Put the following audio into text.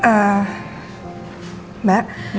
udah lama kayaknya gak makan mie ya